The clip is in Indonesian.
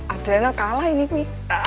adriana kalah ini pi